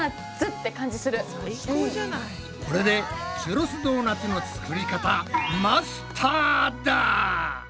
これでチュロスドーナツの作り方マスターだ！